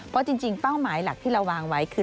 เพราะจริงเป้าหมายหลักที่เราวางไว้คือ